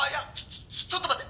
ちょちょっと待って！